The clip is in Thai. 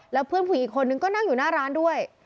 แล้วเพื่อนผู้หญิงอีกคนนึงก็นั่งอยู่หน้าร้านด้วย